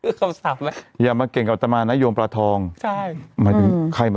คือคำศัพท์อย่ามาเก่งกับอัตมาน่ะโยมปลาทองใช่หมายถึงใคร